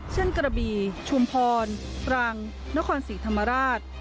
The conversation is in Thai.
กระบีชุมพรตรังนครศรีธรรมราช